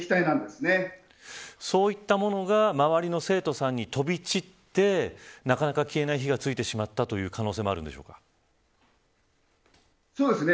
そういったものが周りの生徒さんに飛び散ってなかなか消えない火がついてしまったという可能性もそうですね。